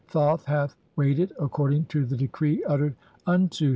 Thoth hath "weighed it according to the decree uttered unto i.